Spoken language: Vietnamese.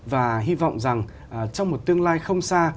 và hy vọng rằng trong một tương lai không xa